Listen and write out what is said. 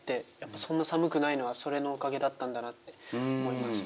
そんな寒くないのはそれのおかげだったんだって思いました。